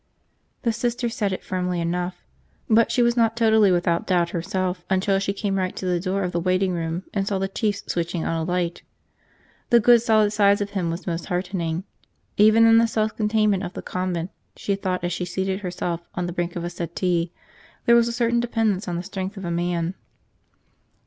The Sister said it firmly enough. But she was not totally without doubt herself until she came right to the door of the waiting room and saw the Chief switching on a light. The good solid size of him was most heartening. Even in the self containment of the convent, she thought as she seated herself on the brink of a settee, there was a certain dependence on the strength of a man.